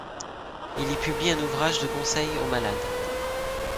Il y publie un ouvrage de conseil aux malades.